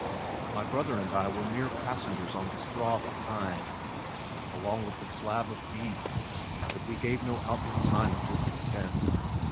My brother and I were mere passengers on the straw behind, along with the slab of beef, but we gave no outward sign of discontent.